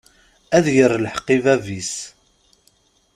Ad d-yerr lḥeq i bab-is.